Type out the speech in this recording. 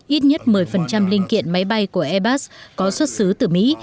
ít nhất một mươi linh kiện máy bay của airbus có xuất xứ từ mỹ